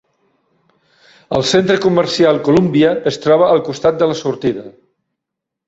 El centre comercial Columbia es troba al costat de la sortida.